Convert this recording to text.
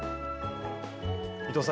伊藤さん